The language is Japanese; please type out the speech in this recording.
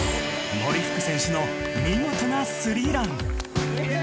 森福選手の見事なスリーラン。